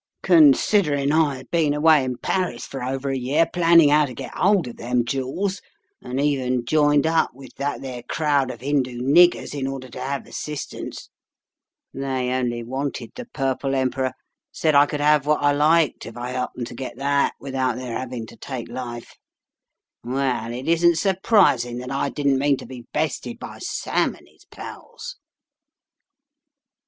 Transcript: Considering I had been away in Paris for over a year planning how to get hold of them jewels, and even joined up with that there crowd of Hindoo niggers, in order to have assistance — they only wanted the Turple Em peror,' said I could have what I liked if I helped them to get that, without their having to take life — well, it isn't surprising that I didn't mean to be bested by Sam and his pals."